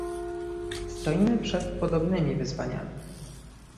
Stoimy przed podobnymi wyzwaniami